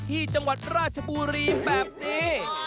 ที่จังหวัดราชบุรีแบบนี้